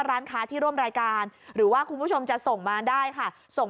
ร้านค้าที่ร่วมรายการหรือว่าคุณผู้ชมจะส่งมาได้ค่ะส่ง